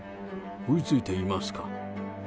追いついていますか。